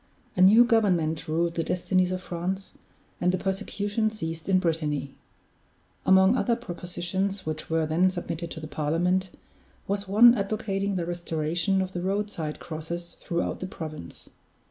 A new government ruled the destinies of France, and the persecution ceased in Brittany. Among other propositions which were then submitted to the Parliament, was one advocating the restoration of the road side crosses throughout the province.